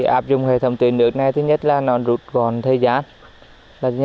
áp dụng hệ thống tưới nước này thứ nhất là nó rút gòn thời gian